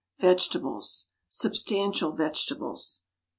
VEGETABLES. SUBSTANTIAL VEGETABLES.